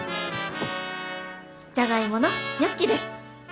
じゃがいものニョッキです。